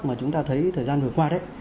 mà chúng ta thấy thời gian vừa qua đấy